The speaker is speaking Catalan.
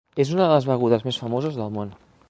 És una de les begudes més famoses del món.